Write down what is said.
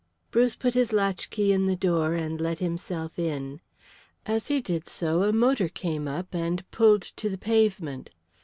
Bruce put his latchkey in the door and let himself in. As he did so a motor came up and pulled to the pavement.